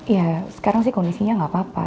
ya sekarang sih kondisinya nggak apa apa